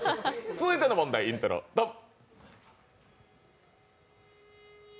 続いての問題、イントロドン！